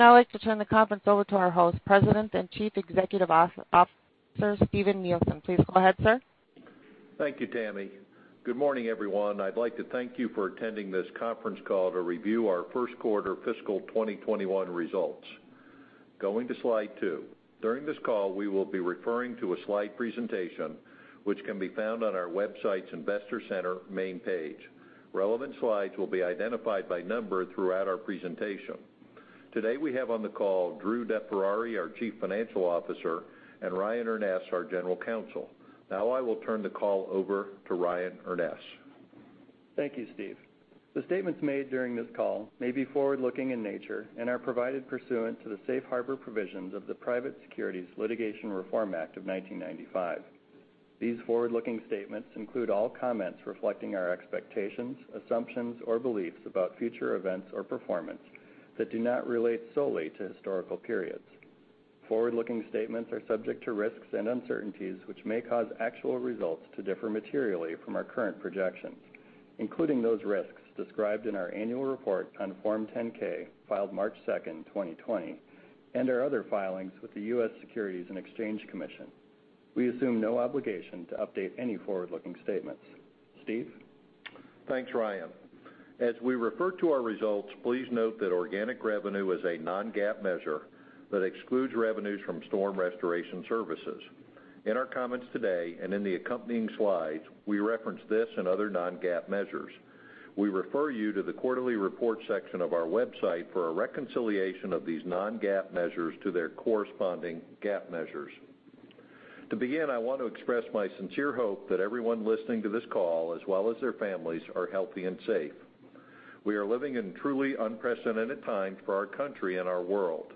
I'd now like to turn the conference over to our host, President and Chief Executive Officer, Steven Nielsen. Please go ahead, sir. Thank you, Tammy. Good morning, everyone. I'd like to thank you for attending this conference call to review our first quarter fiscal 2021 results. Going to slide two. During this call, we will be referring to a slide presentation, which can be found on our website's Investor Center main page. Relevant slides will be identified by number throughout our presentation. Today, we have on the call Drew DeFerrari, our Chief Financial Officer, and Ryan Urness, our General Counsel. Now I will turn the call over to Ryan Urness. Thank you, Steve. The statements made during this call may be forward-looking in nature and are provided pursuant to the safe harbor provisions of the Private Securities Litigation Reform Act of 1995. These forward-looking statements include all comments reflecting our expectations, assumptions, or beliefs about future events or performance that do not relate solely to historical periods. Forward-looking statements are subject to risks and uncertainties, which may cause actual results to differ materially from our current projections, including those risks described in our annual report on Form 10-K filed March 2nd, 2020, and our other filings with the U.S. Securities and Exchange Commission. We assume no obligation to update any forward-looking statements. Steve? Thanks, Ryan. As we refer to our results, please note that organic revenue is a non-GAAP measure that excludes revenues from storm restoration services. In our comments today and in the accompanying slides, we reference this and other non-GAAP measures. We refer you to the quarterly report section of our website for a reconciliation of these non-GAAP measures to their corresponding GAAP measures. To begin, I want to express my sincere hope that everyone listening to this call, as well as their families, are healthy and safe. We are living in truly unprecedented times for our country and our world.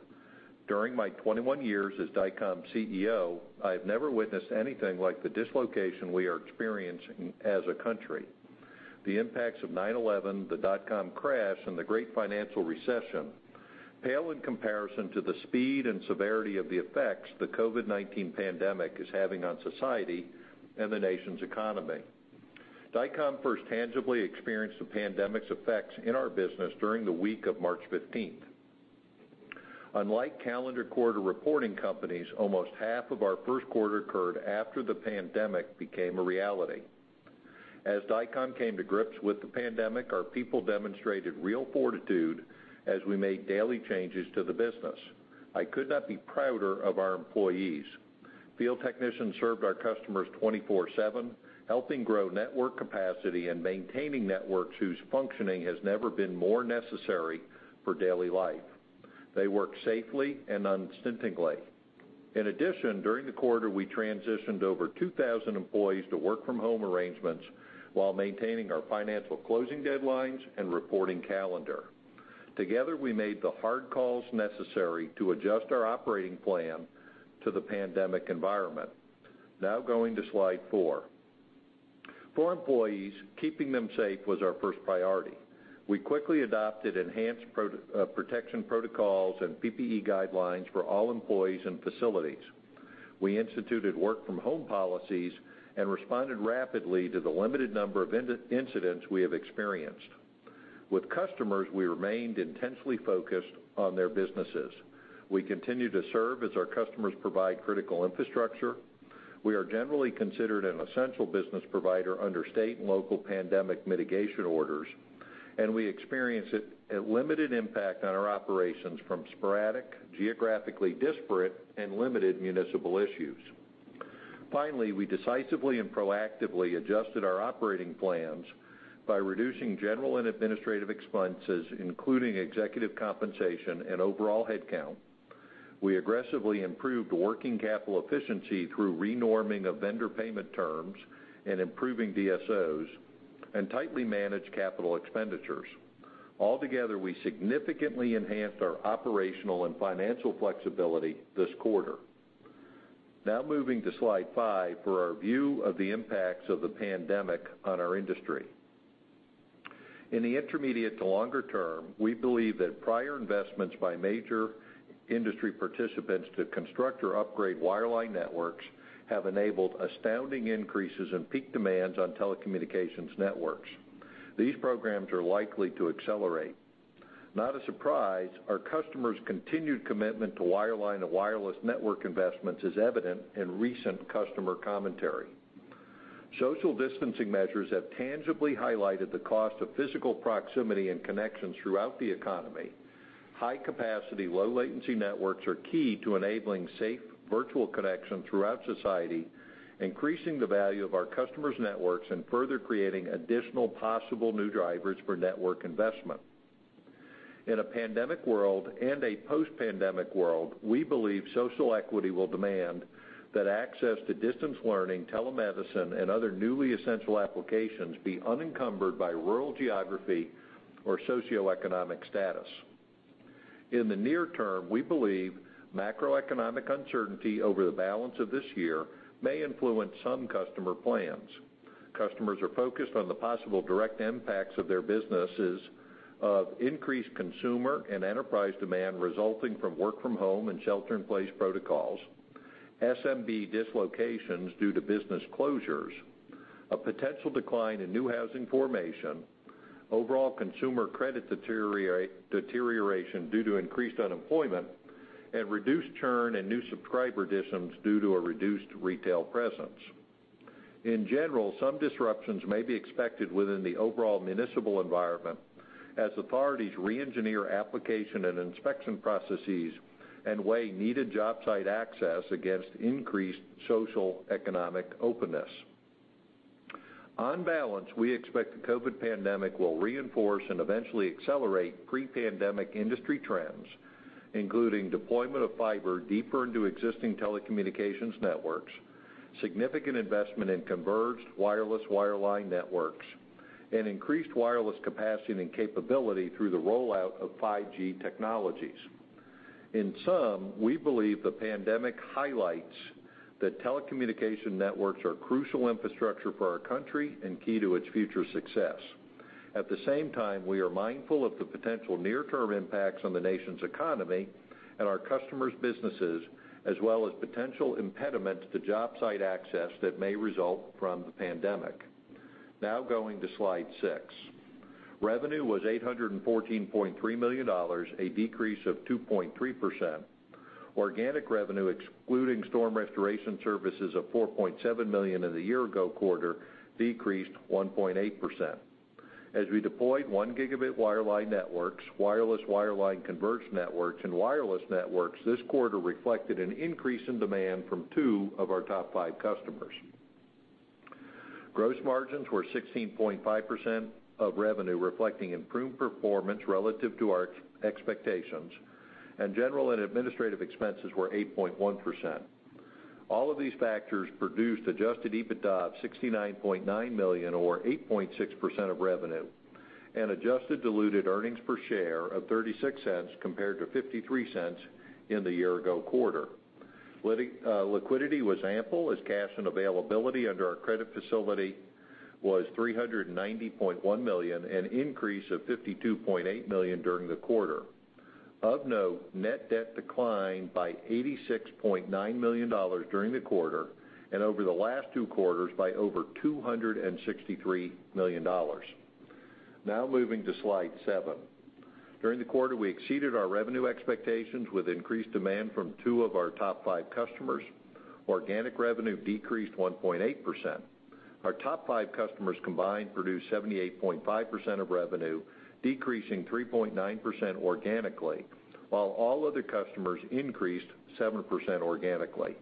During my 21 years as Dycom's CEO, I have never witnessed anything like the dislocation we are experiencing as a country. The impacts of 9/11, the dot-com crash, and the Great Recession pale in comparison to the speed and severity of the effects the COVID-19 pandemic is having on society and the nation's economy. Dycom first tangibly experienced the pandemic's effects in our business during the week of March 15th. Unlike calendar quarter reporting companies, almost half of our first quarter occurred after the pandemic became a reality. As Dycom came to grips with the pandemic, our people demonstrated real fortitude as we made daily changes to the business. I could not be prouder of our employees. Field technicians served our customers 24/7, helping grow network capacity and maintaining networks whose functioning has never been more necessary for daily life. They worked safely and unstintingly. In addition, during the quarter, we transitioned over 2,000 employees to work-from-home arrangements while maintaining our financial closing deadlines and reporting calendar. Together, we made the hard calls necessary to adjust our operating plan to the pandemic environment. Now going to slide four. For employees, keeping them safe was our first priority. We quickly adopted enhanced protection protocols and PPE guidelines for all employees and facilities. We instituted work-from-home policies and responded rapidly to the limited number of incidents we have experienced. With customers, we remained intensely focused on their businesses. We continue to serve as our customers provide critical infrastructure. We are generally considered an essential business provider under state and local pandemic mitigation orders, and we experienced a limited impact on our operations from sporadic, geographically disparate, and limited municipal issues. Finally, we decisively and proactively adjusted our operating plans by reducing general and administrative expenses, including executive compensation and overall headcount. We aggressively improved working capital efficiency through renorming of vendor payment terms and improving DSOs, and tightly managed capital expenditures. Altogether, we significantly enhanced our operational and financial flexibility this quarter. Now moving to slide five for our view of the impacts of the pandemic on our industry. In the intermediate to longer term, we believe that prior investments by major industry participants to construct or upgrade wireline networks have enabled astounding increases in peak demands on telecommunications networks. These programs are likely to accelerate. Not a surprise, our customers' continued commitment to wireline and wireless network investments is evident in recent customer commentary. Social distancing measures have tangibly highlighted the cost of physical proximity and connections throughout the economy. High capacity, low latency networks are key to enabling safe virtual connection throughout society, increasing the value of our customers' networks and further creating additional possible new drivers for network investment. In a pandemic world and a post-pandemic world, we believe social equity will demand that access to distance learning, telemedicine, and other newly essential applications be unencumbered by rural geography or socioeconomic status. In the near term, we believe macroeconomic uncertainty over the balance of this year may influence some customer plans. Customers are focused on the possible direct impacts of their businesses of increased consumer and enterprise demand resulting from work-from-home and shelter-in-place protocols, SMB dislocations due to business closures, a potential decline in new housing formation, overall consumer credit deterioration due to increased unemployment, and reduced churn and new subscriber additions due to a reduced retail presence. In general, some disruptions may be expected within the overall municipal environment as authorities re-engineer application and inspection processes and weigh needed job site access against increased social economic openness. On balance, we expect the COVID pandemic will reinforce and eventually accelerate pre-pandemic industry trends, including deployment of fiber deeper into existing telecommunications networks, significant investment in converged wireless wireline networks, and increased wireless capacity and capability through the rollout of 5G technologies. In sum, we believe the pandemic highlights that telecommunications networks are crucial infrastructure for our country and key to its future success. At the same time, we are mindful of the potential near-term impacts on the nation's economy and our customers' businesses, as well as potential impediments to job site access that may result from the pandemic. Now going to slide six. Revenue was $814.3 million, a decrease of 2.3%. Organic revenue, excluding storm restoration services of $4.7 million in the year-ago quarter, decreased 1.8%. As we deployed one gigabit wireline networks, wireless wireline converged networks, and wireless networks this quarter reflected an increase in demand from two of our top five customers. Gross margins were 16.5% of revenue, reflecting improved performance relative to our expectations, and general and administrative expenses were 8.1%. All of these factors produced adjusted EBITDA of $69.9 million or 8.6% of revenue and adjusted diluted earnings per share of $0.36 compared to $0.53 in the year-ago quarter. Liquidity was ample as cash and availability under our credit facility was $390.1 million, an increase of $52.8 million during the quarter. Of note, net debt declined by $86.9 million during the quarter and over the last two quarters by over $263 million. Now moving to slide seven. During the quarter, we exceeded our revenue expectations with increased demand from two of our top five customers. Organic revenue decreased 1.8%. Our top five customers combined produced 78.5% of revenue, decreasing 3.9% organically, while all other customers increased 7% organically.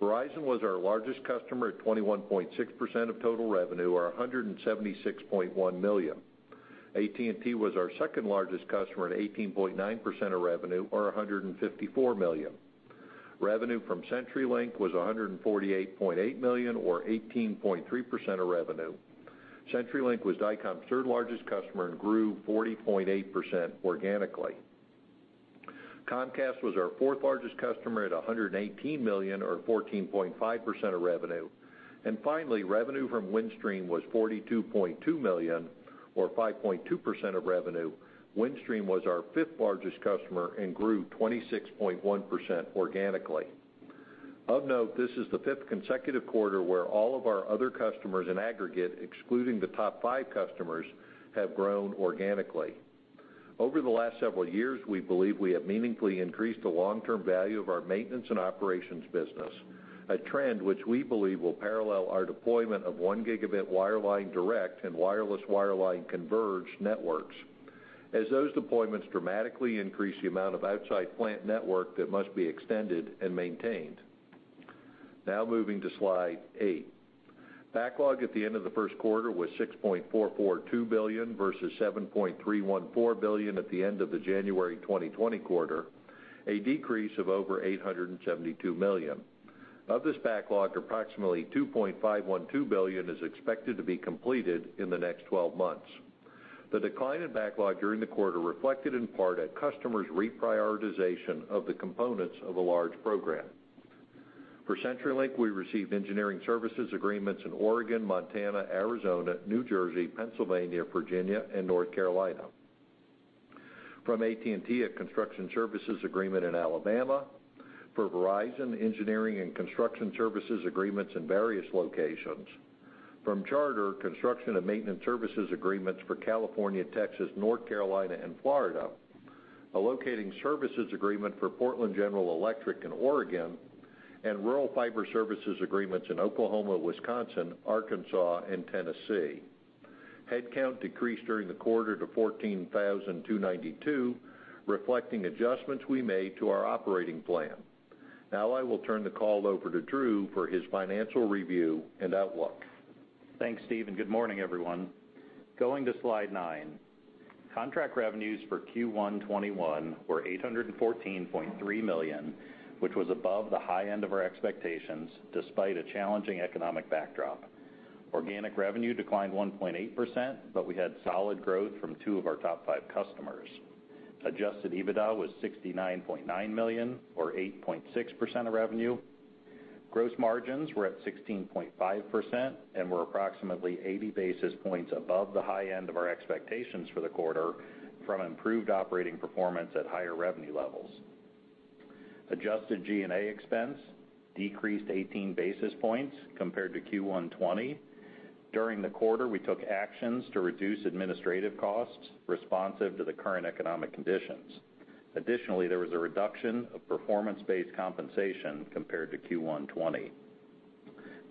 Verizon was our largest customer at 21.6% of total revenue, or $176.1 million. AT&T was our second-largest customer at 18.9% of revenue or $154 million. Revenue from CenturyLink was $148.8 million or 18.3% of revenue. CenturyLink was Dycom's third-largest customer and grew 40.8% organically. Comcast was our fourth-largest customer at $118 million or 14.5% of revenue. Finally, revenue from Windstream was $42.2 million or 5.2% of revenue. Windstream was our fifth-largest customer and grew 26.1% organically. Of note, this is the fifth consecutive quarter where all of our other customers in aggregate, excluding the top five customers, have grown organically. Over the last several years, we believe we have meaningfully increased the long-term value of our maintenance and operations business, a trend which we believe will parallel our deployment of one gigabit wireline direct and wireless wireline converged networks, as those deployments dramatically increase the amount of outside plant network that must be extended and maintained. Moving to slide eight. Backlog at the end of the first quarter was $6.442 billion versus $7.314 billion at the end of the January 2020 quarter, a decrease of over $872 million. Of this backlog, approximately $2.512 billion is expected to be completed in the next 12 months. The decline in backlog during the quarter reflected in part a customer's reprioritization of the components of a large program. For CenturyLink, we received engineering services agreements in Oregon, Montana, Arizona, New Jersey, Pennsylvania, Virginia, and North Carolina. From AT&T, a construction services agreement in Alabama. For Verizon, engineering and construction services agreements in various locations. From Charter, construction and maintenance services agreements for California, Texas, North Carolina and Florida, a locating services agreement for Portland General Electric in Oregon, and rural fiber services agreements in Oklahoma, Wisconsin, Arkansas, and Tennessee. Headcount decreased during the quarter to 14,292, reflecting adjustments we made to our operating plan. Now I will turn the call over to Drew for his financial review and outlook. Thanks, Steve, and good morning, everyone. Going to slide nine. Contract revenues for Q1 2021 were $814.3 million, which was above the high end of our expectations despite a challenging economic backdrop. Organic revenue declined 1.8%, we had solid growth from two of our top five customers. Adjusted EBITDA was $69.9 million or 8.6% of revenue. Gross margins were at 16.5% and were approximately 80 basis points above the high end of our expectations for the quarter from improved operating performance at higher revenue levels. Adjusted G&A expense decreased 18 basis points compared to Q1 2020. During the quarter, we took actions to reduce administrative costs responsive to the current economic conditions. There was a reduction of performance-based compensation compared to Q1 2020.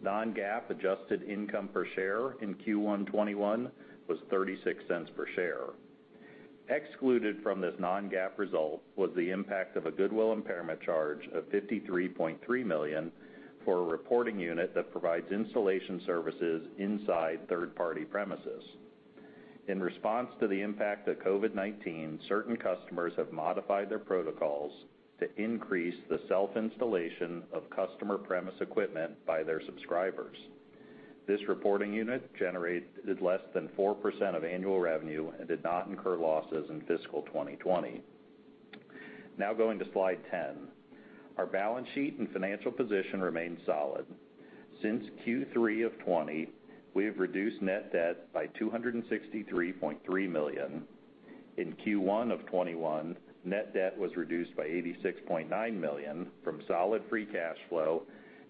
Non-GAAP adjusted income per share in Q1 2021 was $0.36 per share. Excluded from this non-GAAP result was the impact of a goodwill impairment charge of $53.3 million for a reporting unit that provides installation services inside third-party premises. In response to the impact of COVID-19, certain customers have modified their protocols to increase the self-installation of customer premise equipment by their subscribers. This reporting unit generated less than 4% of annual revenue and did not incur losses in fiscal 2020. Now going to slide 10. Our balance sheet and financial position remain solid. Since Q3 of 2020, we have reduced net debt by $263.3 million. In Q1 of 2021, net debt was reduced by $86.9 million from solid free cash flow,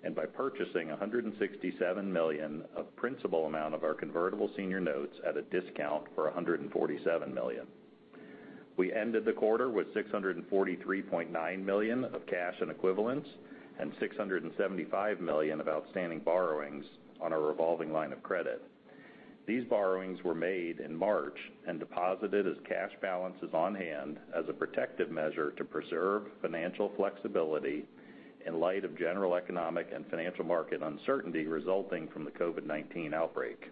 and by purchasing $167 million of principal amount of our convertible senior notes at a discount for $147 million. We ended the quarter with $643.9 million of cash and equivalents and $675 million of outstanding borrowings on our revolving line of credit. These borrowings were made in March and deposited as cash balances on hand as a protective measure to preserve financial flexibility in light of general economic and financial market uncertainty resulting from the COVID-19 outbreak.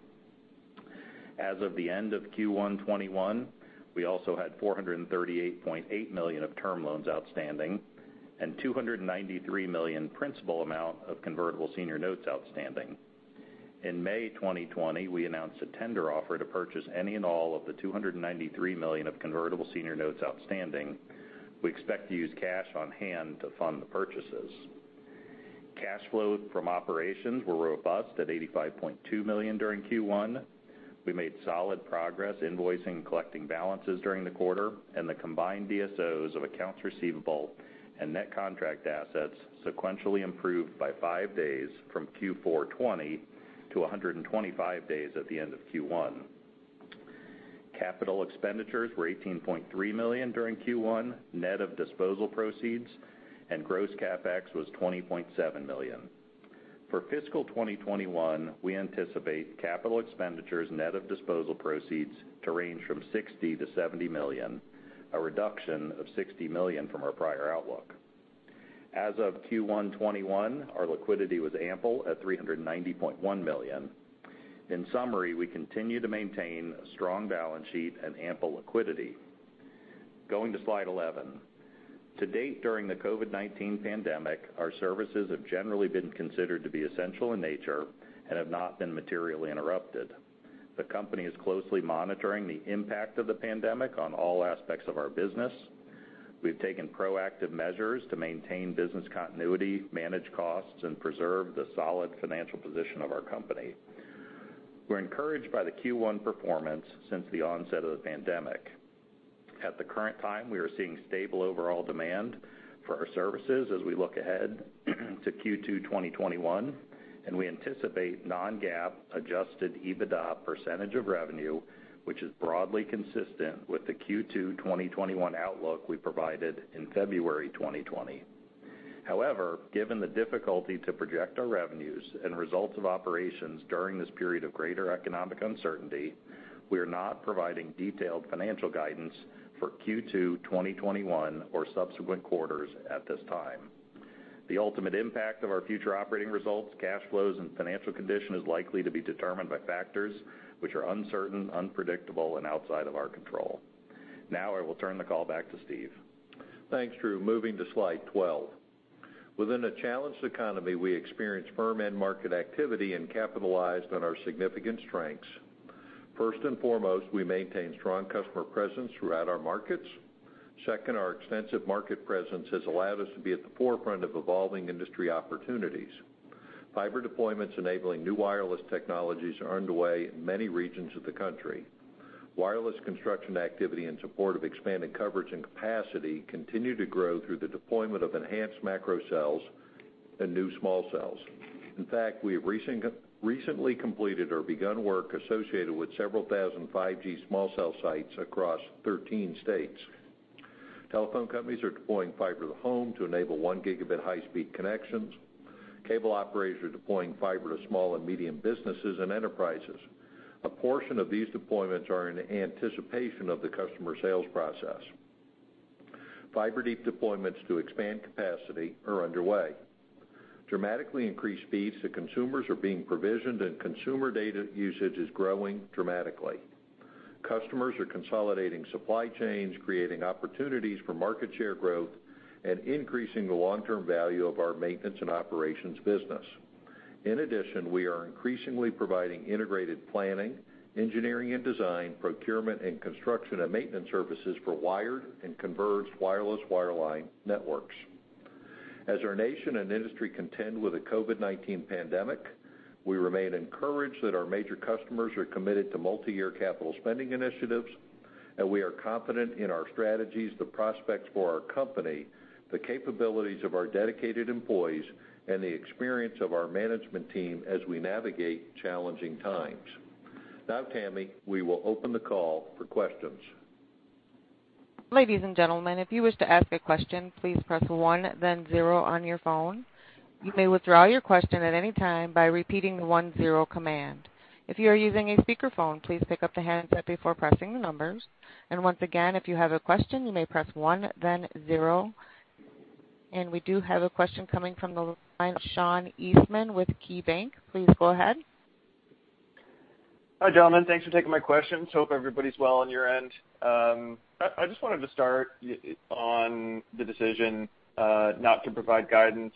As of the end of Q1 2021, we also had $438.8 million of term loans outstanding and $293 million principal amount of convertible senior notes outstanding. In May 2020, we announced a tender offer to purchase any and all of the $293 million of convertible senior notes outstanding. We expect to use cash on hand to fund the purchases. Cash flow from operations were robust at $85.2 million during Q1. We made solid progress invoicing and collecting balances during the quarter. The combined DSOs of accounts receivable and net contract assets sequentially improved by five days from Q4 2020 to 125 days at the end of Q1. Capital expenditures were $18.3 million during Q1, net of disposal proceeds. Gross CapEx was $20.7 million. For fiscal 2021, we anticipate capital expenditures net of disposal proceeds to range from $60 million-$70 million, a reduction of $60 million from our prior outlook. As of Q1 2021, our liquidity was ample at $390.1 million. In summary, we continue to maintain a strong balance sheet and ample liquidity. Going to slide eleven. To date during the COVID-19 pandemic, our services have generally been considered to be essential in nature and have not been materially interrupted. The company is closely monitoring the impact of the pandemic on all aspects of our business. We've taken proactive measures to maintain business continuity, manage costs, and preserve the solid financial position of our company. We're encouraged by the Q1 performance since the onset of the pandemic. At the current time, we are seeing stable overall demand for our services as we look ahead to Q2 2021, and we anticipate non-GAAP adjusted EBITDA percentage of revenue, which is broadly consistent with the Q2 2021 outlook we provided in February 2020. However, given the difficulty to project our revenues and results of operations during this period of greater economic uncertainty, we are not providing detailed financial guidance for Q2 2021 or subsequent quarters at this time. The ultimate impact of our future operating results, cash flows, and financial condition is likely to be determined by factors which are uncertain, unpredictable, and outside of our control. Now I will turn the call back to Steve. Thanks, Drew. Moving to slide 12. Within a challenged economy, we experienced firm end market activity and capitalized on our significant strengths. First and foremost, we maintain strong customer presence throughout our markets. Second, our extensive market presence has allowed us to be at the forefront of evolving industry opportunities. Fiber deployments enabling new wireless technologies are underway in many regions of the country. Wireless construction activity in support of expanding coverage and capacity continue to grow through the deployment of enhanced macro cells and new small cells. In fact, we have recently completed or begun work associated with several thousand 5G small cell sites across 13 states. Telephone companies are deploying fiber to the home to enable one gigabit high-speed connections. Cable operators are deploying fiber to small and medium businesses and enterprises. A portion of these deployments are in anticipation of the customer sales process. Fiber deep deployments to expand capacity are underway. Dramatically increased speeds to consumers are being provisioned and consumer data usage is growing dramatically. Customers are consolidating supply chains, creating opportunities for market share growth, and increasing the long-term value of our maintenance and operations business. In addition, we are increasingly providing integrated planning, engineering and design, procurement and construction and maintenance services for wired and converged wireless wireline networks. As our nation and industry contend with the COVID-19 pandemic, we remain encouraged that our major customers are committed to multi-year capital spending initiatives. We are confident in our strategies, the prospects for our company, the capabilities of our dedicated employees, and the experience of our management team as we navigate challenging times. Now, Tammy, we will open the call for questions. Ladies and gentlemen, if you wish to ask a question, please press one, then zero on your phone. You may withdraw your question at any time by repeating the one-zero command. If you are using a speakerphone, please pick up the handset before pressing the numbers. Once again, if you have a question, you may press one, then zero. We do have a question coming from the line, Sean Eastman with KeyBanc. Please go ahead. Hi, gentlemen. Thanks for taking my questions. Hope everybody's well on your end. I just wanted to start on the decision not to provide guidance.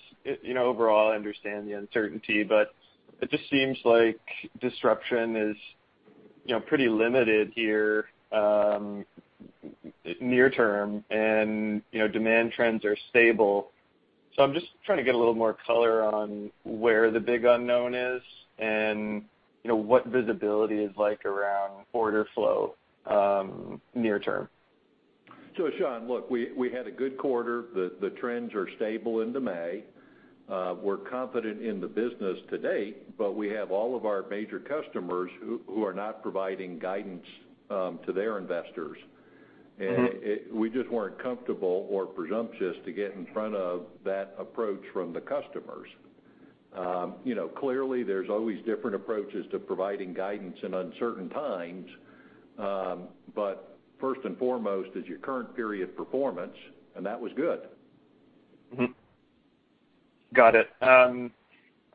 Overall, I understand the uncertainty, but it just seems like disruption is pretty limited here near term, and demand trends are stable. I'm just trying to get a little more color on where the big unknown is and what visibility is like around order flow near term. Sean, look, we had a good quarter. The trends are stable into May. We're confident in the business to date, but we have all of our major customers who are not providing guidance to their investors. We just weren't comfortable or presumptuous to get in front of that approach from the customers. Clearly, there's always different approaches to providing guidance in uncertain times. First and foremost is your current period performance, and that was good. Got it. All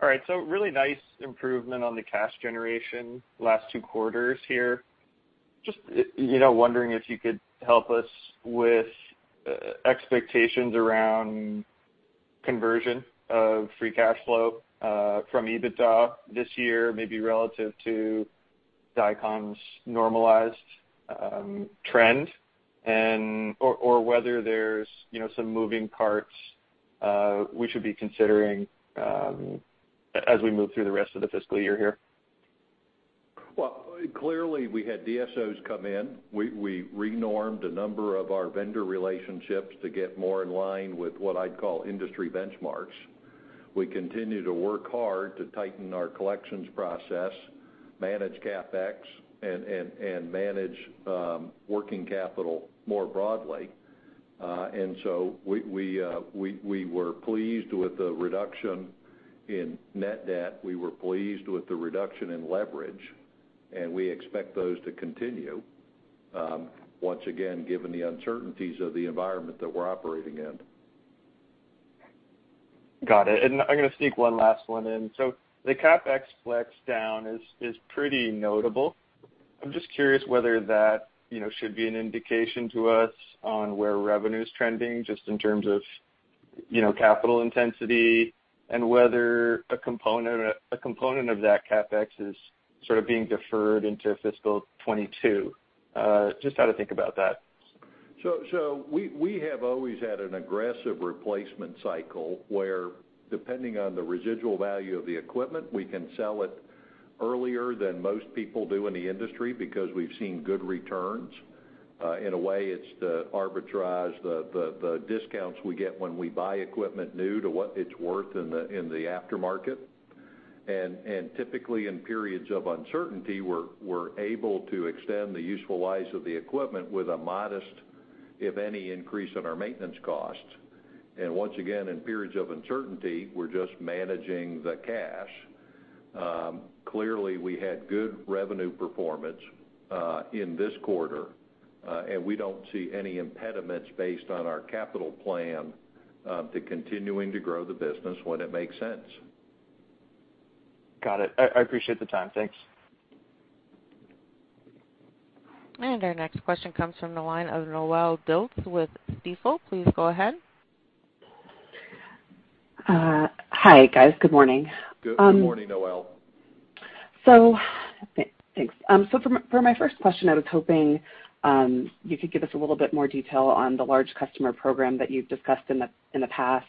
right. Really nice improvement on the cash generation last two quarters here. Just wondering if you could help us with expectations around conversion of free cash flow from EBITDA this year, maybe relative to Dycom's normalized trend, or whether there's some moving parts we should be considering as we move through the rest of the fiscal year here. Clearly we had DSOs come in. We renormed a number of our vendor relationships to get more in line with what I'd call industry benchmarks. We continue to work hard to tighten our collections process, manage CapEx, and manage working capital more broadly. We were pleased with the reduction in net debt. We were pleased with the reduction in leverage, and we expect those to continue, once again, given the uncertainties of the environment that we're operating in. Got it. I'm going to sneak one last one in. The CapEx flex down is pretty notable. I'm just curious whether that should be an indication to us on where revenue's trending, just in terms of capital intensity and whether a component of that CapEx is sort of being deferred into fiscal 2022. Just how to think about that. We have always had an aggressive replacement cycle where, depending on the residual value of the equipment, we can sell it earlier than most people do in the industry because we've seen good returns. In a way, it's the arbitrage, the discounts we get when we buy equipment new to what it's worth in the aftermarket. Typically, in periods of uncertainty, we're able to extend the useful lives of the equipment with a modest, if any, increase in our maintenance costs. Once again, in periods of uncertainty, we're just managing the cash. Clearly, we had good revenue performance in this quarter. We don't see any impediments based on our capital plan to continuing to grow the business when it makes sense. Got it. I appreciate the time. Thanks. Our next question comes from the line of Noelle Dilts with Stifel. Please go ahead. Hi, guys. Good morning. Good morning, Noelle. Thanks. For my first question, I was hoping you could give us a little bit more detail on the large customer program that you've discussed in the past.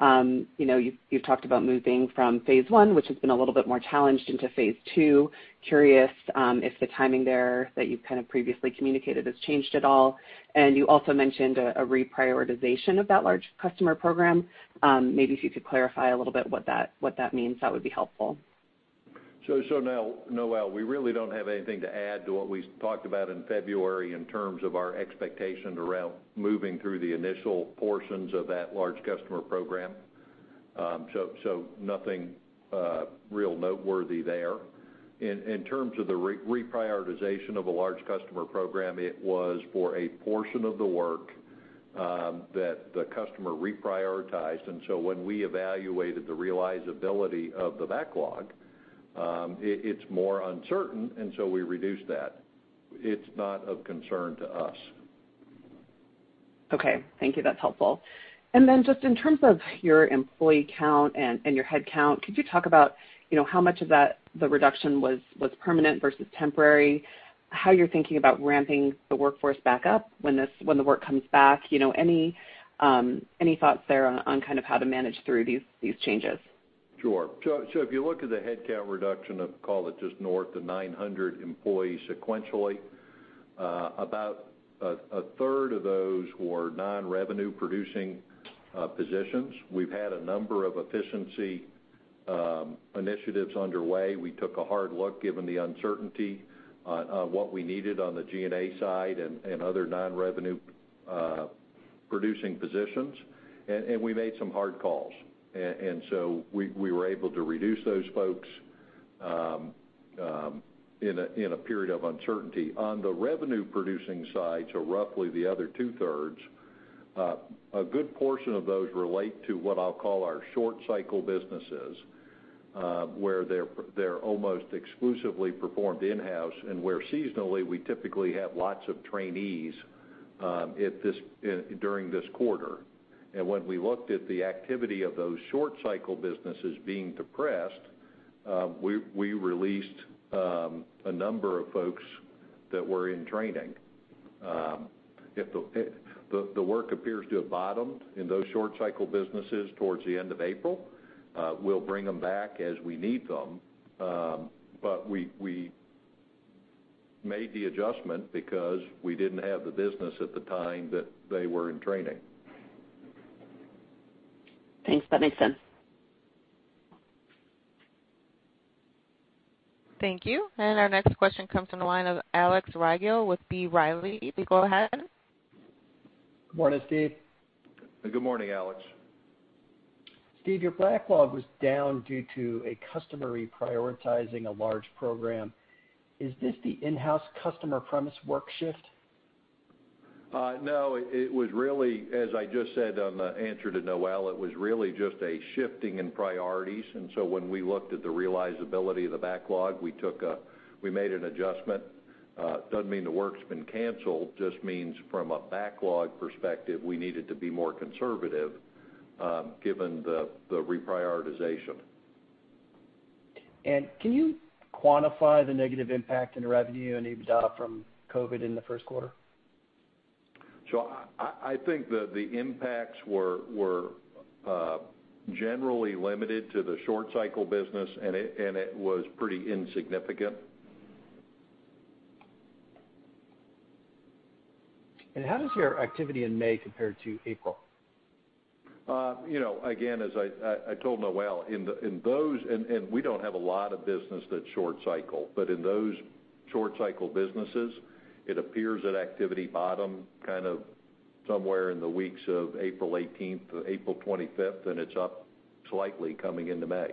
You've talked about moving from phase 1, which has been a little bit more challenged, into phase 2. Curious if the timing there that you've kind of previously communicated has changed at all. You also mentioned a reprioritization of that large customer program. Maybe if you could clarify a little bit what that means, that would be helpful. Noelle, we really don't have anything to add to what we talked about in February in terms of our expectation around moving through the initial portions of that large customer program. Nothing real noteworthy there. In terms of the reprioritization of a large customer program, it was for a portion of the work that the customer reprioritized. When we evaluated the realizability of the backlog, it's more uncertain, and so we reduced that. It's not of concern to us. Okay. Thank you. That's helpful. Just in terms of your employee count and your head count, could you talk about how much of the reduction was permanent versus temporary, how you're thinking about ramping the workforce back up when the work comes back? Any thoughts there on kind of how to manage through these changes? Sure. If you look at the headcount reduction of, call it just north of 900 employees sequentially, about a third of those were non-revenue producing positions. We've had a number of efficiency initiatives underway. We took a hard look, given the uncertainty on what we needed on the G&A side and other non-revenue producing positions, and we made some hard calls. We were able to reduce those folks in a period of uncertainty. On the revenue-producing side, so roughly the other two-thirds, a good portion of those relate to what I'll call our short-cycle businesses where they're almost exclusively performed in-house, and where seasonally, we typically have lots of trainees during this quarter. When we looked at the activity of those short-cycle businesses being depressed, we released a number of folks that were in training. The work appears to have bottomed in those short-cycle businesses towards the end of April. We'll bring them back as we need them. We made the adjustment because we didn't have the business at the time that they were in training. Thanks. That makes sense. Thank you. Our next question comes from the line of Alex Rygiel with B. Riley. Please go ahead. Good morning, Steve. Good morning, Alex. Steve, your backlog was down due to a customer reprioritizing a large program. Is this the in-house customer premise work shift? No. It was really, as I just said on the answer to Noelle, it was really just a shifting in priorities. When we looked at the realizability of the backlog, we made an adjustment. Doesn't mean the work's been canceled, just means from a backlog perspective, we needed to be more conservative given the reprioritization. Can you quantify the negative impact in revenue and EBITDA from COVID in the first quarter? I think that the impacts were generally limited to the short-cycle business, and it was pretty insignificant. How does your activity in May compare to April? As I told Noelle, and we don't have a lot of business that's short cycle, but in those short-cycle businesses, it appears that activity bottomed kind of somewhere in the weeks of April 18th to April 25th, and it's up slightly coming into May.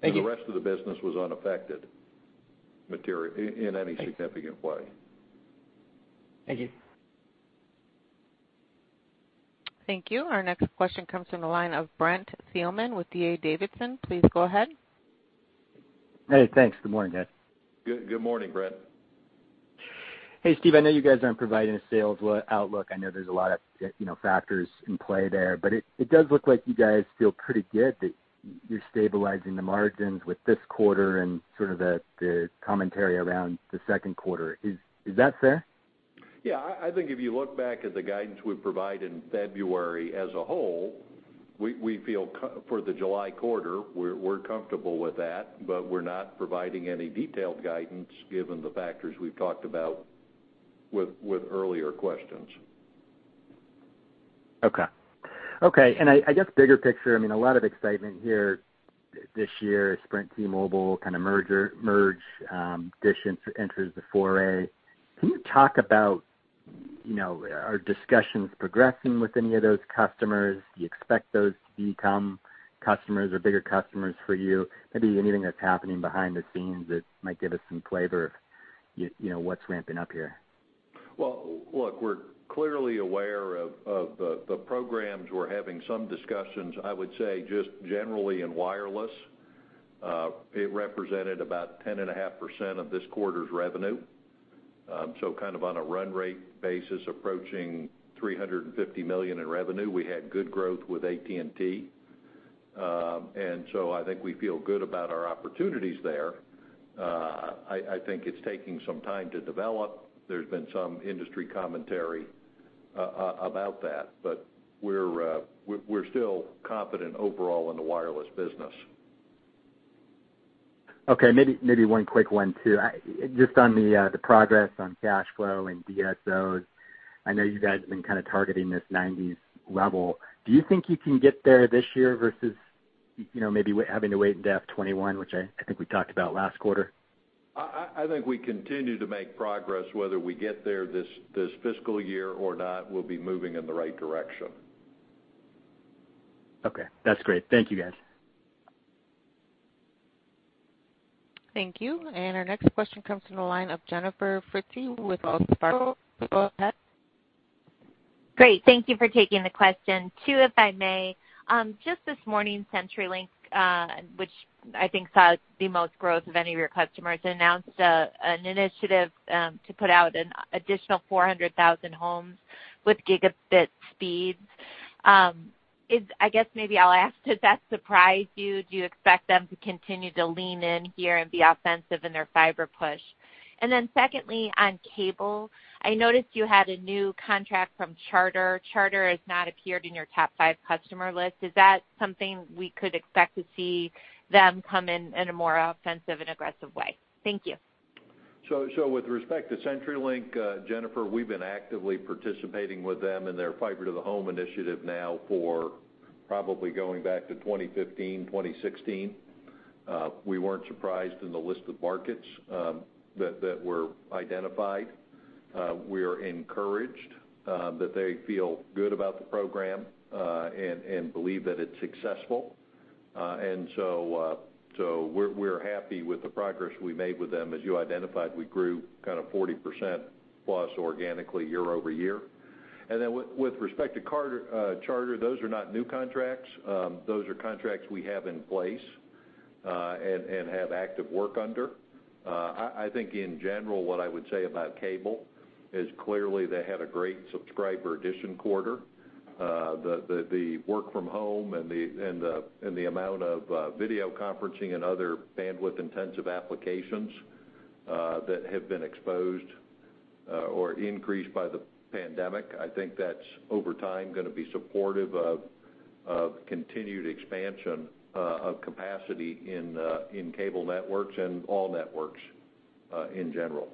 Thank you. The rest of the business was unaffected in any significant way. Thank you. Thank you. Our next question comes from the line of Brent Thielman with D.A. Davidson. Please go ahead. Hey, thanks. Good morning, guys. Good morning, Brent. Hey, Steve. I know you guys aren't providing a sales outlook. I know there's a lot of factors in play there, but it does look like you guys feel pretty good that you're stabilizing the margins with this quarter and sort of the commentary around the second quarter. Is that fair? Yeah. I think if you look back at the guidance we provided in February as a whole, we feel for the July quarter, we're comfortable with that, but we're not providing any detailed guidance given the factors we've talked about with earlier questions. Okay. I guess, bigger picture, I mean, a lot of excitement here this year, Sprint T-Mobile kind of merge, Dish enters the foray. Can you talk about are discussions progressing with any of those customers? Do you expect those to become customers or bigger customers for you? Maybe anything that's happening behind the scenes that might give us some flavor of what's ramping up here? Well, look, we're clearly aware of the programs. We're having some discussions. I would say just generally in wireless, it represented about 10.5% of this quarter's revenue. Kind of on a run rate basis, approaching $350 million in revenue. We had good growth with AT&T. I think we feel good about our opportunities there. I think it's taking some time to develop. There's been some industry commentary about that, but we're still confident overall in the wireless business. Maybe one quick one, too. On the progress on cash flow and DSOs. I know you guys have been kind of targeting this 90s level. Do you think you can get there this year versus maybe having to wait into FY 2021, which I think we talked about last quarter? I think we continue to make progress. Whether we get there this fiscal year or not, we'll be moving in the right direction. Okay. That's great. Thank you, guys. Thank you. Our next question comes from the line of Jennifer Fritzsche with Wells Fargo. Go ahead. Great. Thank you for taking the question. Two, if I may. Just this morning, CenturyLink, which I think saw the most growth of any of your customers, announced an initiative to put out an additional 400,000 homes with gigabit speeds. I guess maybe I'll ask, did that surprise you? Do you expect them to continue to lean in here and be offensive in their fiber push? Secondly, on cable, I noticed you had a new contract from Charter. Charter has not appeared in your top five customer list. Is that something we could expect to see them come in in a more offensive and aggressive way? Thank you. With respect to CenturyLink, Jennifer, we've been actively participating with them in their Fiber to the Home initiative now for probably going back to 2015, 2016. We weren't surprised in the list of markets that were identified. We are encouraged that they feel good about the program, and believe that it's successful. We're happy with the progress we made with them. As you identified, we grew 40% plus organically year-over-year. With respect to Charter, those are not new contracts. Those are contracts we have in place, and have active work under. I think in general, what I would say about cable is clearly they had a great subscriber addition quarter. The work from home and the amount of video conferencing and other bandwidth-intensive applications that have been exposed or increased by the pandemic, I think that's over time, going to be supportive of continued expansion of capacity in cable networks and all networks, in general.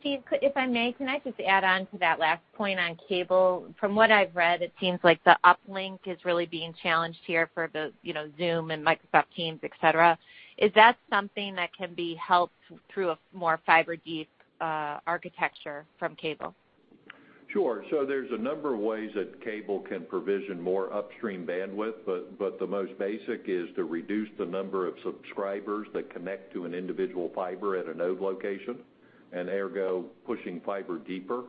Steve, if I may, can I just add on to that last point on cable? From what I've read, it seems like the uplink is really being challenged here for the Zoom and Microsoft Teams, et cetera. Is that something that can be helped through a more fiber deep architecture from cable? Sure. There's a number of ways that cable can provision more upstream bandwidth, but the most basic is to reduce the number of subscribers that connect to an individual fiber at a node location, and ergo, pushing fiber deeper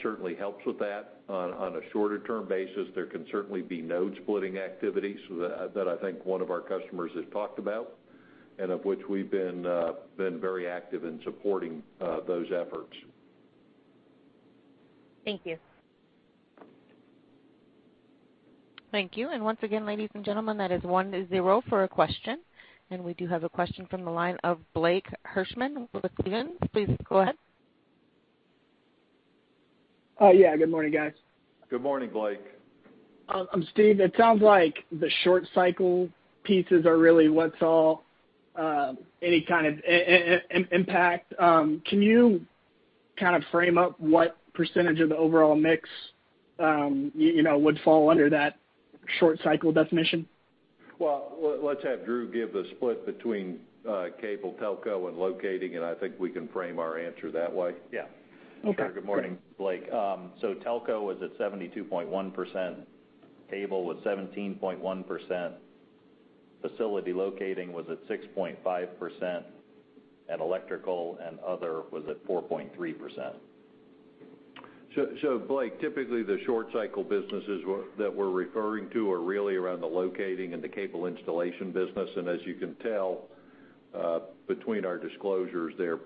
certainly helps with that. On a shorter term basis, there can certainly be node splitting activities that I think one of our customers has talked about, and of which we've been very active in supporting those efforts. Thank you. Thank you. Once again, ladies and gentlemen, that is 1, 0 for a question. We do have a question from the line of Blake Hirschman with Stephens. Please go ahead. Yeah, good morning, guys. Good morning, Blake. Steve, it sounds like the short cycle pieces are really what's all any kind of impact. Can you frame up what percentage of the overall mix would fall under that short cycle definition? Well, let's have Drew give the split between cable, telco, and locating, and I think we can frame our answer that way. Yeah. Okay. Sure. Good morning, Blake. Telco was at 72.1%, Cable was 17.1%, Facility Locating was at 6.5%, and Electrical and Other was at 4.3%. Blake, typically, the short cycle businesses that we're referring to are really around the locating and the cable installation business. As you can tell, between our disclosures, they're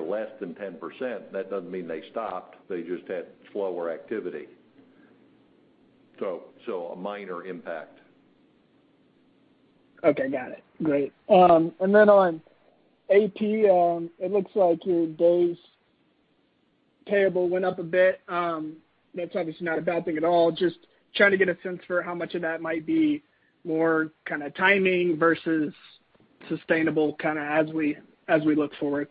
less than 10%. That doesn't mean they stopped. They just had slower activity. A minor impact. Okay. Got it. Great. On AP, it looks like your days payable went up a bit. That's obviously not a bad thing at all. Just trying to get a sense for how much of that might be more timing versus sustainable as we look forward.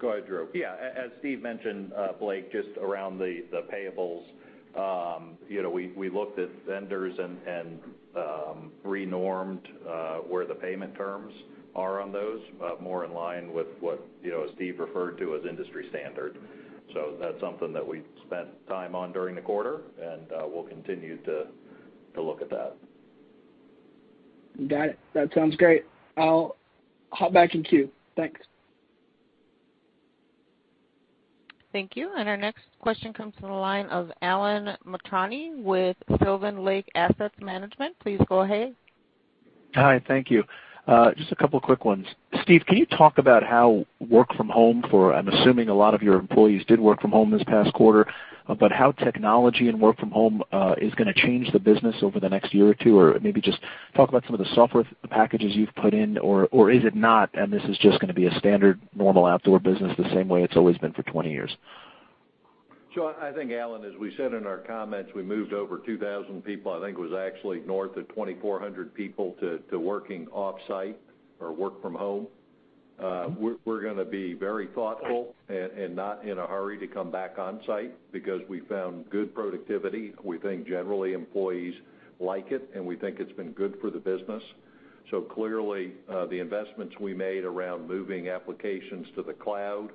Go ahead, Drew. Yeah. As Steve mentioned, Blake, just around the payables. We looked at vendors and renormed where the payment terms are on those, more in line with what Steve referred to as industry standard. That's something that we spent time on during the quarter, and we'll continue to look at that. Got it. That sounds great. I'll hop back in queue. Thanks. Thank you. Our next question comes from the line of Alan Mitrani with Sylvan Lake Asset Management. Please go ahead. Hi. Thank you. Just a couple quick ones. Steve, can you talk about how work from home for, I'm assuming a lot of your employees did work from home this past quarter, but how technology and work from home is going to change the business over the next year or two? Maybe just talk about some of the software packages you've put in, or is it not, and this is just going to be a standard normal outdoor business the same way it's always been for 20 years? I think, Alan Mitrani, as we said in our comments, we moved over 2,000 people, I think it was actually north of 2,400 people, to working off-site or work from home. We're going to be very thoughtful and not in a hurry to come back on-site because we found good productivity. We think generally employees like it, and we think it's been good for the business. Clearly, the investments we made around moving applications to the cloud,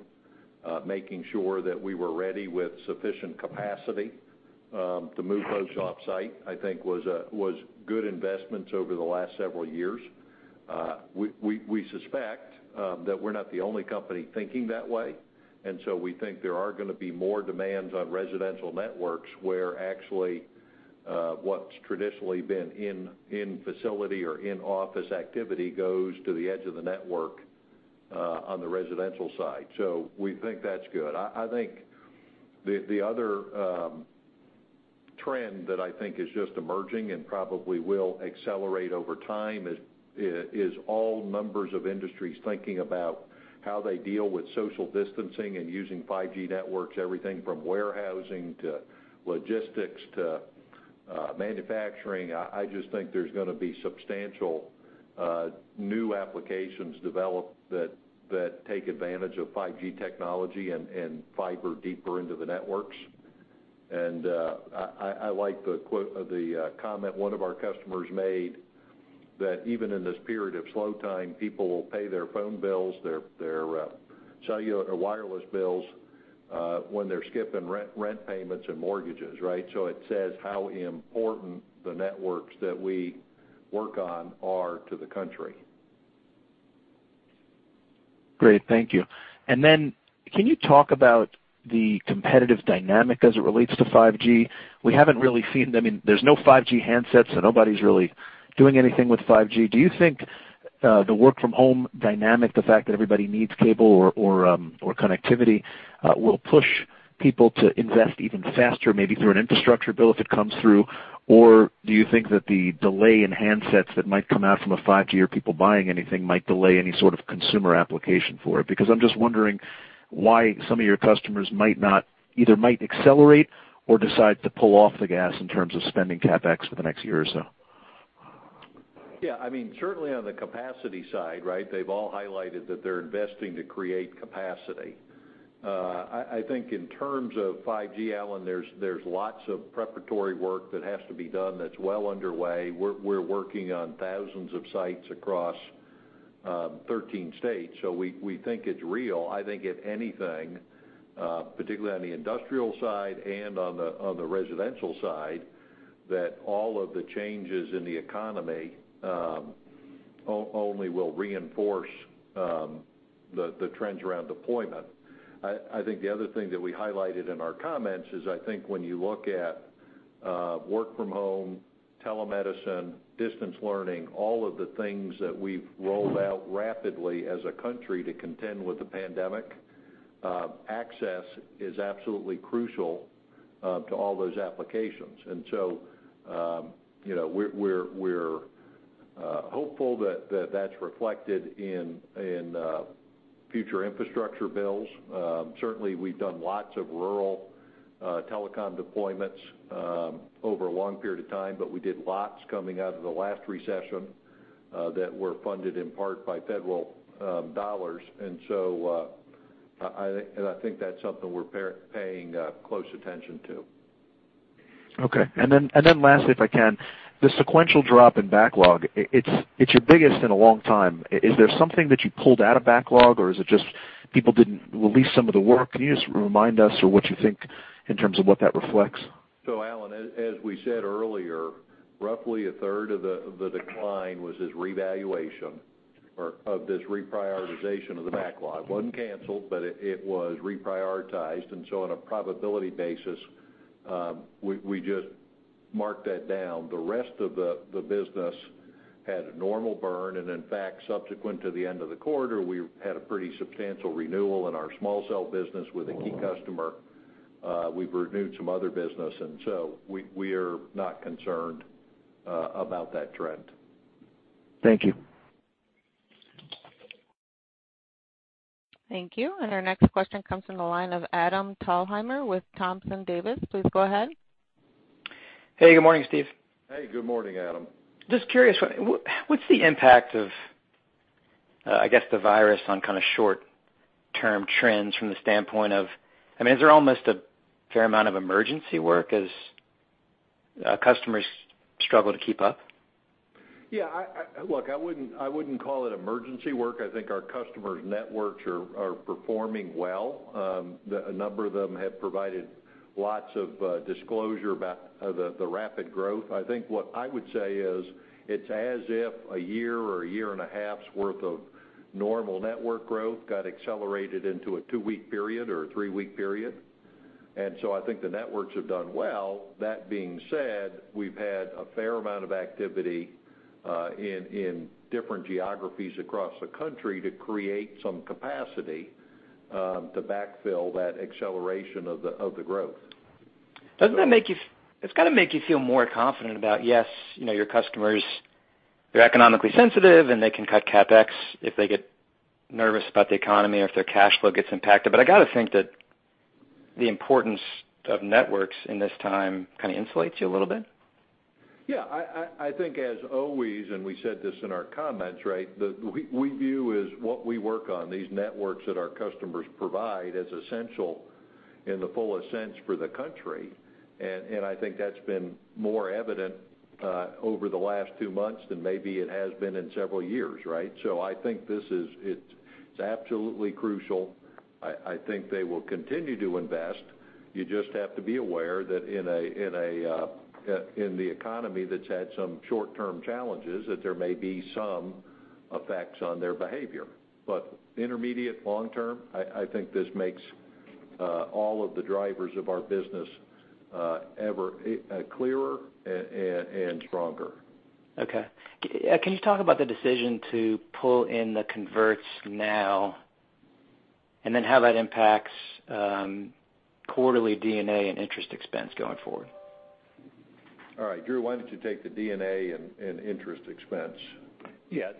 making sure that we were ready with sufficient capacity to move folks off-site, I think was good investments over the last several years. We suspect that we're not the only company thinking that way, we think there are going to be more demands on residential networks where actually what's traditionally been in facility or in-office activity goes to the edge of the network. We think that's good. I think the other trend that I think is just emerging and probably will accelerate over time is all numbers of industries thinking about how they deal with social distancing and using 5G networks, everything from warehousing to logistics to manufacturing. I just think there's going to be substantial new applications developed that take advantage of 5G technology and fiber deeper into the networks. I like the comment one of our customers made, that even in this period of slow time, people will pay their phone bills, their cellular or wireless bills, when they're skipping rent payments and mortgages, right? It says how important the networks that we work on are to the country. Great, thank you. Can you talk about the competitive dynamic as it relates to 5G? We haven't really seen, I mean, there's no 5G handsets, nobody's really doing anything with 5G. Do you think the work from home dynamic, the fact that everybody needs cable or connectivity will push people to invest even faster, maybe through an infrastructure bill if it comes through? Do you think that the delay in handsets that might come out from a 5G, or people buying anything might delay any sort of consumer application for it? I'm just wondering why some of your customers either might accelerate or decide to pull off the gas in terms of spending CapEx for the next year or so. Yeah. Certainly on the capacity side, right, they've all highlighted that they're investing to create capacity. I think in terms of 5G, Alan, there's lots of preparatory work that has to be done that's well underway. We're working on thousands of sites across 13 states. We think it's real. I think if anything, particularly on the industrial side and on the residential side, that all of the changes in the economy only will reinforce the trends around deployment. I think the other thing that we highlighted in our comments is, I think when you look at work from home, telemedicine, distance learning, all of the things that we've rolled out rapidly as a country to contend with the pandemic, access is absolutely crucial to all those applications. We're hopeful that that's reflected in future infrastructure bills. Certainly, we've done lots of rural telecom deployments over a long period of time, but we did lots coming out of the last recession that were funded in part by federal dollars. I think that's something we're paying close attention to. Okay. Last, if I can, the sequential drop in backlog, it's your biggest in a long time. Is there something that you pulled out of backlog, or is it just people didn't release some of the work? Can you just remind us or what you think in terms of what that reflects? Alan, as we said earlier, roughly a third of the decline was this revaluation or of this reprioritization of the backlog. It wasn't canceled, but it was reprioritized. On a probability basis, we just marked that down. The rest of the business had a normal burn. In fact, subsequent to the end of the quarter, we had a pretty substantial renewal in our small cell business with a key customer. We've renewed some other business. We are not concerned about that trend. Thank you. Thank you. Our next question comes from the line of Adam Thalhimer with Thompson Davis. Please go ahead. Hey, good morning, Steve. Hey, good morning, Adam. Just curious, what's the impact of, I guess, the virus on kind of short-term trends from the standpoint of I mean, is there almost a fair amount of emergency work as customers struggle to keep up? Look, I wouldn't call it emergency work. I think our customers' networks are performing well. A number of them have provided lots of disclosure about the rapid growth. I think what I would say is, it's as if a year or a year and a half's worth of normal network growth got accelerated into a two-week period or a three-week period. I think the networks have done well. That being said, we've had a fair amount of activity in different geographies across the country to create some capacity to backfill that acceleration of the growth. It's got to make you feel more confident about, yes, your customers, they're economically sensitive, and they can cut CapEx if they get nervous about the economy or if their cash flow gets impacted. I got to think that the importance of networks in this time kind of insulates you a little bit. Yeah. I think as always, and we said this in our comments, right, we view as what we work on, these networks that our customers provide as essential in the fullest sense for the country. I think that's been more evident over the last two months than maybe it has been in several years, right? I think it's absolutely crucial. I think they will continue to invest. You just have to be aware that in the economy that's had some short-term challenges, that there may be some effects on their behavior. Intermediate long-term, I think this makes all of the drivers of our business ever clearer and stronger. Okay. Can you talk about the decision to pull in the converts now, and then how that impacts quarterly D&A and interest expense going forward? All right, Drew, why don't you take the D&A and interest expense? Yeah.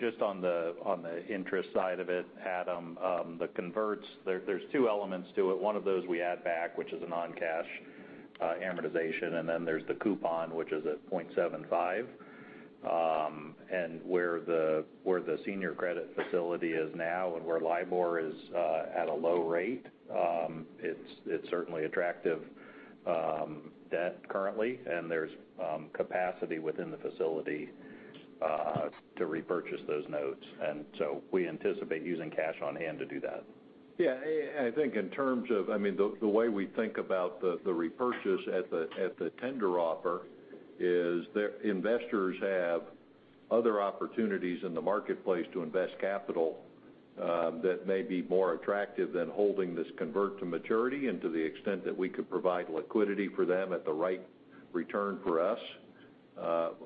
Just on the interest side of it, Adam, the converts, there's two elements to it. One of those we add back, which is a non-cash amortization, and then there's the coupon, which is at 0.75. Where the senior credit facility is now and where LIBOR is at a low rate, it's certainly attractive debt currently, and there's capacity within the facility to repurchase those notes. We anticipate using cash on hand to do that. Yeah, I think in terms of the way we think about the repurchase at the tender offer is investors have other opportunities in the marketplace to invest capital that may be more attractive than holding this convert to maturity. To the extent that we could provide liquidity for them at the right return for us,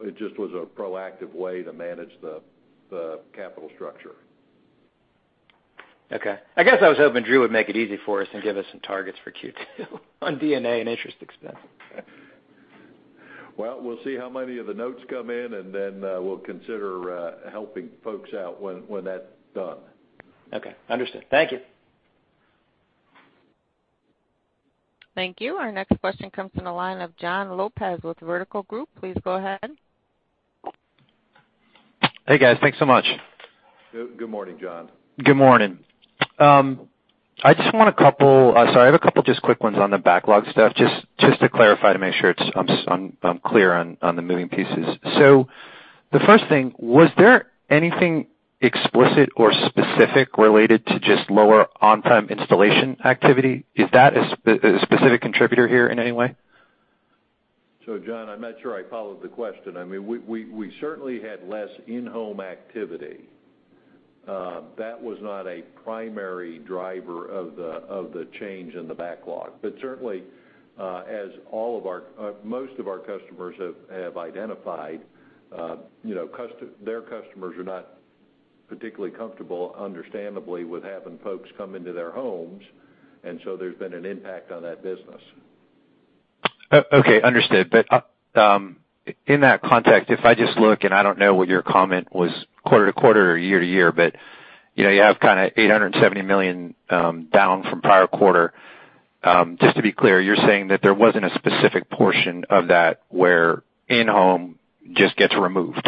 it just was a proactive way to manage the capital structure. Okay. I guess I was hoping Drew would make it easy for us and give us some targets for Q2 on D&A and interest expense. Well, we'll see how many of the notes come in, and then we'll consider helping folks out when that's done. Okay, understood. Thank you. Thank you. Our next question comes from the line of Jon Lopez with Vertical Group. Please go ahead. Hey, guys. Thanks so much. Good morning, Jon. Good morning. I have a couple just quick ones on the backlog stuff, just to clarify to make sure I'm clear on the moving pieces. The first thing, was there anything explicit or specific related to just lower on-time installation activity? Is that a specific contributor here in any way? Jon, I'm not sure I followed the question. We certainly had less in-home activity. That was not a primary driver of the change in the backlog. Certainly, as most of our customers have identified, their customers are not particularly comfortable, understandably, with having folks come into their homes, and so there's been an impact on that business. Okay, understood. In that context, if I just look, and I don't know what your comment was quarter-to-quarter or year-to-year, you have kind of $870 million down from prior quarter. Just to be clear, you're saying that there wasn't a specific portion of that where in-home just gets removed?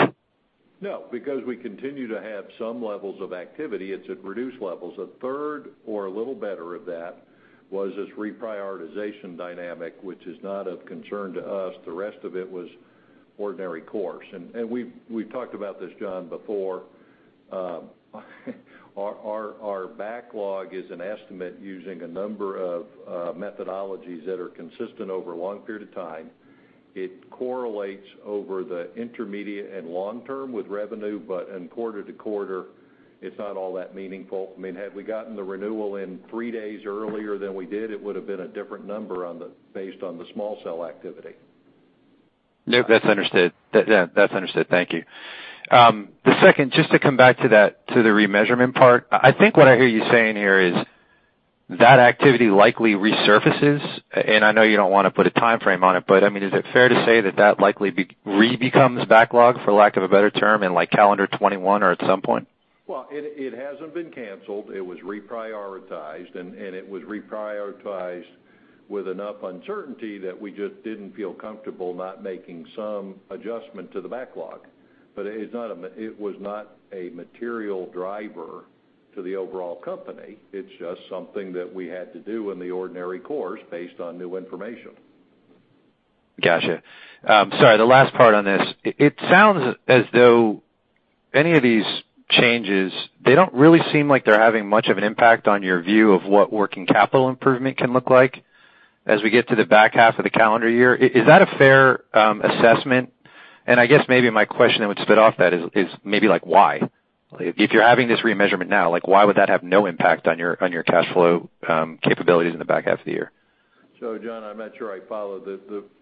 No, because we continue to have some levels of activity. It's at reduced levels. A third or a little better of that was this reprioritization dynamic, which is not of concern to us. The rest of it was ordinary course. We've talked about this, Jon, before. Our backlog is an estimate using a number of methodologies that are consistent over a long period of time. It correlates over the intermediate and long term with revenue, but in quarter to quarter, it's not all that meaningful. Had we gotten the renewal in three days earlier than we did, it would've been a different number based on the small cell activity. No, that's understood. Thank you. The second, just to come back to the remeasurement part, I think what I hear you saying here is that activity likely resurfaces, and I know you don't want to put a timeframe on it, but is it fair to say that that likely re-becomes backlog, for lack of a better term, in calendar 2021 or at some point? Well, it hasn't been canceled. It was reprioritized, and it was reprioritized with enough uncertainty that we just didn't feel comfortable not making some adjustment to the backlog. It was not a material driver to the overall company. It's just something that we had to do in the ordinary course based on new information. Got you. Sorry, the last part on this. It sounds as though many of these changes, they don't really seem like they're having much of an impact on your view of what working capital improvement can look like as we get to the back half of the calendar year. Is that a fair assessment? I guess maybe my question that would spit off that is maybe why? If you're having this remeasurement now, why would that have no impact on your cash flow capabilities in the back half of the year? Jon, I'm not sure I follow.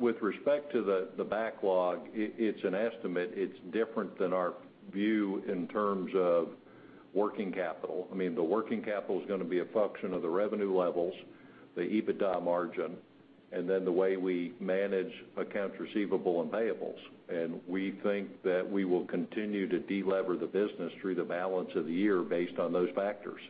With respect to the backlog, it's an estimate. It's different than our view in terms of working capital. The working capital is going to be a function of the revenue levels, the EBITDA margin, the way we manage accounts receivable and payables. We think that we will continue to delever the business through the balance of the year based on those factors.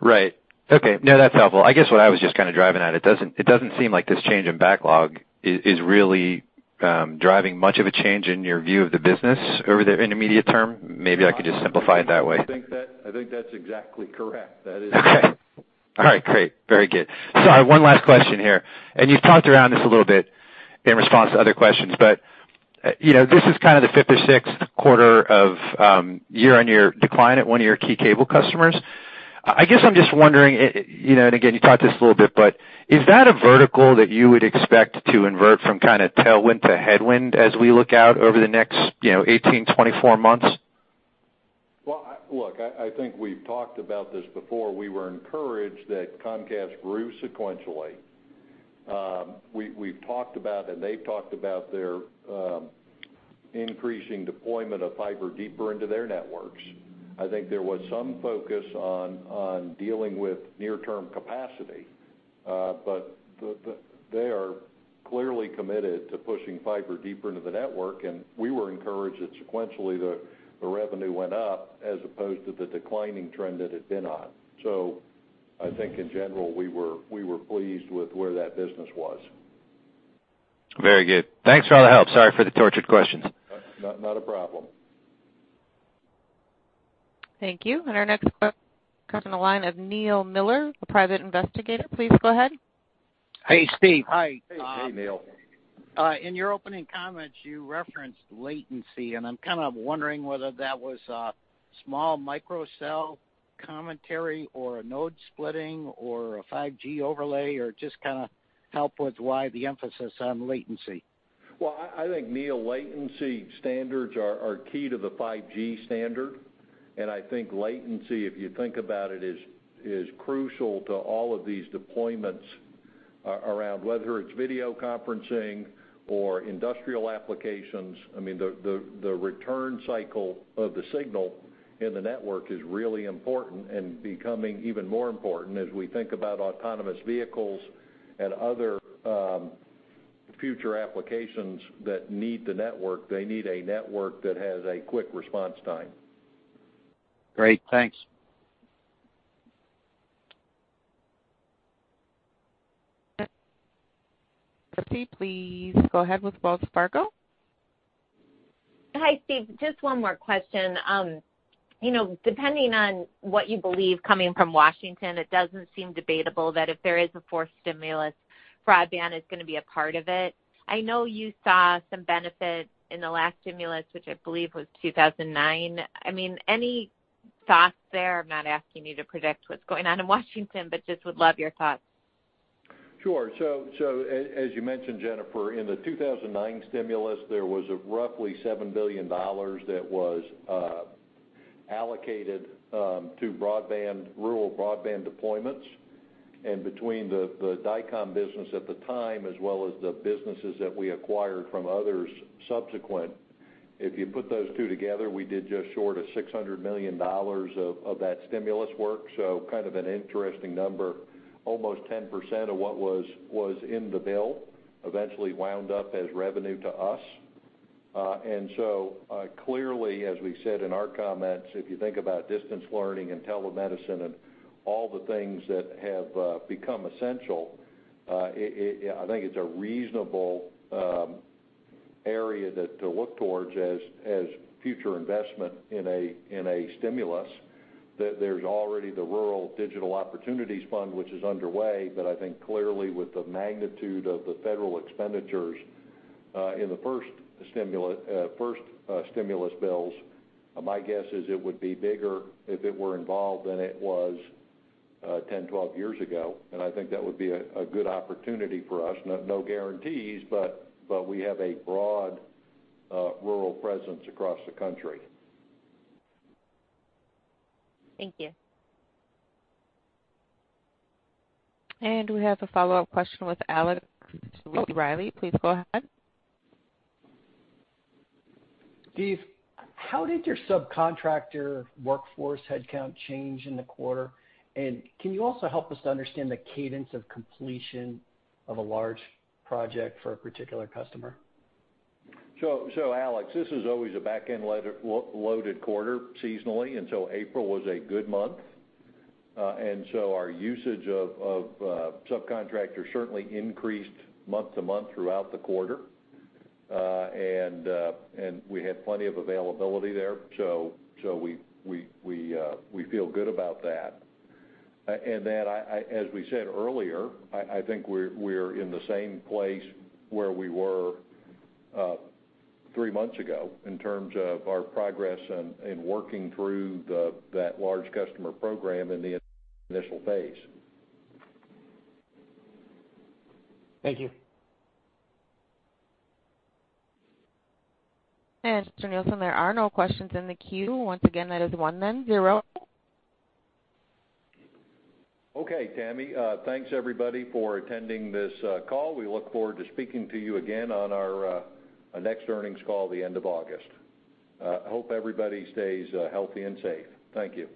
Right. Okay. No, that's helpful. I guess what I was just kind of driving at, it doesn't seem like this change in backlog is really driving much of a change in your view of the business over the intermediate term. Maybe I could just simplify it that way. I think that's exactly correct. Okay. All right, great. Very good. I have one last question here, and you've talked around this a little bit in response to other questions, but this is kind of the fifth or sixth quarter of year-on-year decline at one of your key cable customers. I guess I'm just wondering, and again, you talked to this a little bit, but is that a vertical that you would expect to invert from kind of tailwind to headwind as we look out over the next 18 to 24 months? Well, look, I think we've talked about this before. We were encouraged that Comcast grew sequentially. We've talked about, and they've talked about, their increasing deployment of fiber deeper into their networks. I think there was some focus on dealing with near-term capacity. They are clearly committed to pushing fiber deeper into the network, and we were encouraged that sequentially, the revenue went up as opposed to the declining trend that it had been on. I think in general, we were pleased with where that business was. Very good. Thanks for all the help. Sorry for the tortured questions. Not a problem. Thank you. Our next question comes on the line of Noam Miller, a private investor. Please go ahead. Hey, Steven. Hi. Hey, Noam. In your opening comments, you referenced latency, I'm kind of wondering whether that was a small microcell commentary or a node splitting or a 5G overlay, or just kind of help with why the emphasis on latency? Well, I think, Noam, latency standards are key to the 5G standard, and I think latency, if you think about it, is crucial to all of these deployments around, whether it's video conferencing or industrial applications. I mean, the return cycle of the signal in the network is really important and becoming even more important as we think about autonomous vehicles and other future applications that need the network. They need a network that has a quick response time. Great. Thanks. Please go ahead with Wells Fargo. Hi, Steve. Just one more question. Depending on what you believe coming from Washington, it doesn't seem debatable that if there is a fourth stimulus, broadband is going to be a part of it. I know you saw some benefit in the last stimulus, which I believe was 2009. Any thoughts there? I'm not asking you to predict what's going on in Washington, but just would love your thoughts. Sure. As you mentioned, Jennifer, in the 2009 stimulus, there was roughly $7 billion that was allocated to rural broadband deployments. Between the Dycom business at the time as well as the businesses that we acquired from others subsequent, if you put those two together, we did just short of $600 million of that stimulus work, so kind of an interesting number. Almost 10% of what was in the bill eventually wound up as revenue to us. Clearly, as we said in our comments, if you think about distance learning and telemedicine and all the things that have become essential, I think it's a reasonable area to look towards as future investment in a stimulus. There's already the Rural Digital Opportunity Fund, which is underway, but I think clearly with the magnitude of the federal expenditures in the first stimulus bills, my guess is it would be bigger if it were involved than it was 10, 12 years ago, and I think that would be a good opportunity for us. No guarantees, but we have a broad rural presence across the country. Thank you. We have a follow-up question with Alex Rygiel. Please go ahead. Steve, how did your subcontractor workforce headcount change in the quarter? Can you also help us to understand the cadence of completion of a large project for a particular customer? Alex, this is always a back-end loaded quarter seasonally, April was a good month. Our usage of subcontractors certainly increased month to month throughout the quarter. We had plenty of availability there, so we feel good about that. Then, as we said earlier, I think we're in the same place where we were three months ago in terms of our progress in working through that large customer program in the initial phase. Thank you. Mr. Nielsen, there are no questions in the queue. Once again, that is one, then zero. Okay, Tammy. Thanks, everybody, for attending this call. We look forward to speaking to you again on our next earnings call at the end of August. Hope everybody stays healthy and safe. Thank you.